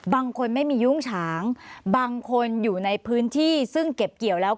บางคนไม่มียุ้งฉางบางคนอยู่ในพื้นที่ซึ่งเก็บเกี่ยวแล้ว